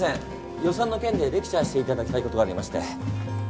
予算の件でレクチャーしていただきたいことがありまして。